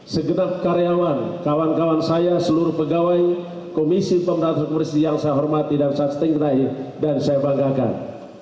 segenap karyawan kawan kawan saya seluruh pegawai komisi pemberantasan korupsi yang saya hormati dan saya setengahi dan saya banggakan